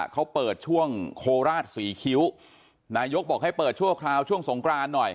เขาเปิดช่วงโคราชศรีคิ้วนายกบอกให้เปิดชั่วคราวช่วงสงกรานหน่อย